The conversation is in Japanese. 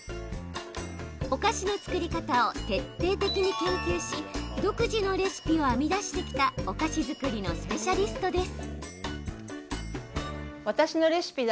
お菓子の作り方を徹底的に研究し独自のレシピを編み出してきたお菓子作りのスペシャリストです。